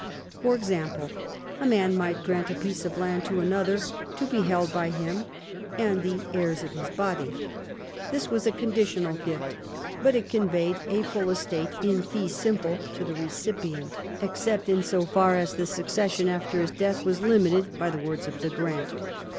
For example, a man might grant a piece of land to another to be held by him " and the heirs of his body." This was a " conditional gift," but it conveyed a full estate in fee simple to the recipient, 128 EDWARD I chap. except in so far as the succession after his death was limited by the words of the grant.